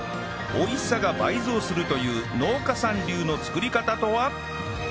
美味しさが倍増するという農家さん流の作り方とは？